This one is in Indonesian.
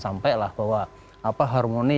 sampai lah bahwa harmoni